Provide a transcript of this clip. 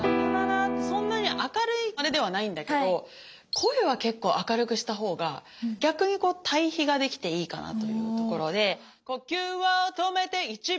そんなに明るいあれではないんだけど声は結構明るくしたほうが逆にこう対比ができていいかなというところで「呼吸を止めて１秒」